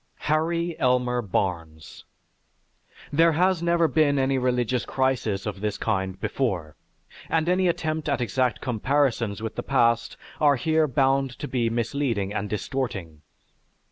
HARRY ELMER BARNES There has never been any religious crisis of this kind before, and any attempt at exact comparisons with the past are here bound to be misleading and distorting.